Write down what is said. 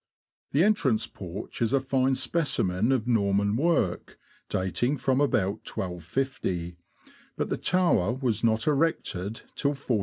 The entrance porch is a fine specimen of Norman work, dating from about 1250; but the tower was not erected till 1436.